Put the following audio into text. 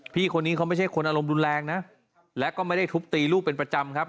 พี่คนนี้เขาไม่ใช่คนอารมณ์รุนแรงนะและก็ไม่ได้ทุบตีลูกเป็นประจำครับ